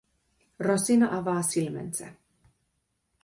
Rosina avaa silmänsä.